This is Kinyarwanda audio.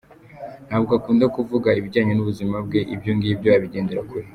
Ntabwo akunda kuvuga ibijyanye n’ubuzima bwe , ibyo ngibyo abigendera kure.